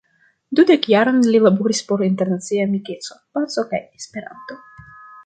Dudek jarojn li laboris por internacia amikeco, paco kaj Esperanto.